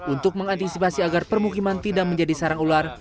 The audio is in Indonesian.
untuk mengantisipasi agar permukiman tidak menjadi sarang ular